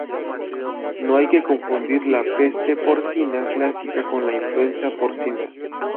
No hay que confundir la Peste Porcina Clásica con la Influenza Porcina.